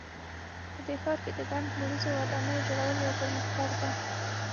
په دې ښار کې د ګڼ پوړیزو ودانیو جوړول یو پرمختګ ده